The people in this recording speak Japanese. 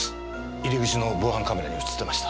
入り口の防犯カメラに映ってました。